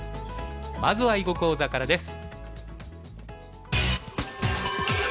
まずは囲碁講座からです。